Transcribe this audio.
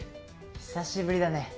久しぶりだね。